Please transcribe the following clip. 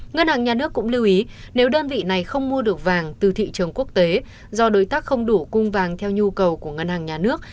ngân hàng nhà nước cũng lưu ý nếu đơn vị này không mua được vàng từ thị trường quốc tế do đối tác không đủ cung vàng theo nhu cầu của ngân hàng nhà nước